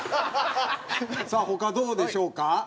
さあ他どうでしょうか？